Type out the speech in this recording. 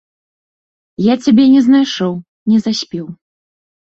Я цябе не знайшоў, не заспеў.